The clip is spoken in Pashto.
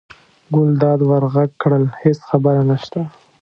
ګلداد ور غږ کړل: هېڅ خبره نشته.